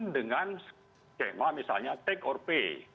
dengan skema misalnya take or pay